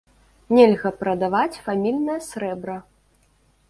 Нельга прадаваць фамільнае срэбра.